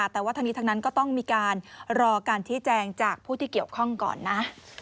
แต่ว่าทั้งนี้ทั้งนั้นก็ต้องมีการรอการชี้แจงจากผู้ที่เกี่ยวข้องก่อนนะ